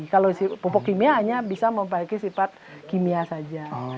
kalau pupuk kimia hanya bisa memperbaiki sifat kimia saja